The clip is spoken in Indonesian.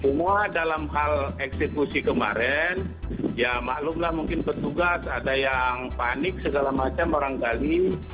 semua dalam hal eksekusi kemarin ya maklumlah mungkin petugas ada yang panik segala macam barangkali